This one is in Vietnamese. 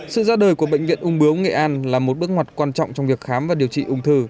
sự ra đời của bệnh viện ung bướu nghệ an là một bước ngoặt quan trọng trong việc khám và điều trị ung thư